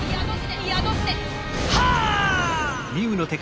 はっ！